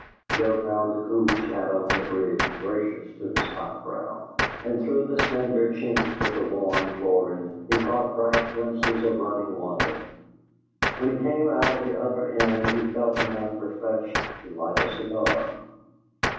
Joe found the cool shadow in the bridge gracious to his hot brow, and through the slender chinks of the worn flooring he caught bright glimpses of running water. When he came out of the other end he felt enough refreshed to light a cigar.